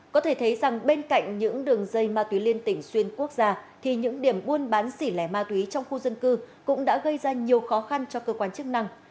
có thể thấy rằng bên cạnh những đường dây ma túy liên tỉnh xuyên quốc gia thì những điểm buôn bán xỉ lẻ ma túy trong khu dân cư cũng đã gây ra nhiều khó khăn cho cơ quan chức năng